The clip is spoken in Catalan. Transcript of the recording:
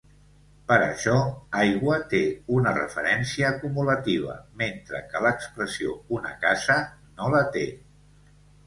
Per això, "aigua" té una referència acumulativa, mentre que l'expressió "una casa" no la té.